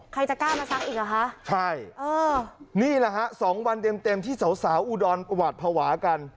ใครจะกล้ามาซักอีกเหรอคะใช่เออนี่แหละฮะสองวันเต็มเต็มที่สาวสาวอุดรหวาดภาวะกัน